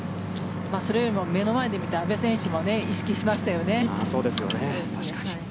それよりも目の前で見た阿部選手も意識しましたよね。